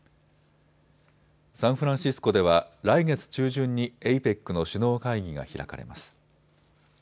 サンフランシスコでは来月中旬にＡＰＥＣの首脳会議が開かれます。